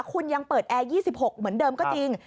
คุณยังเปิดแอร์๒๖เหมือนเดิมก็จริง